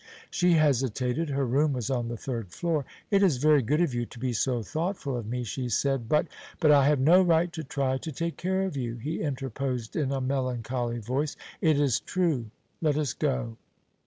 She hesitated. (Her room was on the third floor.) "It is very good of you to be so thoughtful of me," she said, "but " "But I have no right to try to take care of you," he interposed in a melancholy voice. "It is true. Let us go."